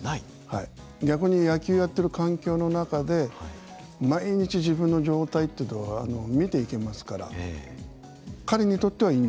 逆に野球やってる環境の中で毎日自分の状態というのを見ていけますから彼にとってはいいんじゃないんですか。